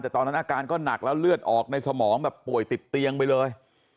แต่ตอนนั้นอาการก็หนักแล้วเลือดออกในสมองแบบป่วยติดเตียงไปเลย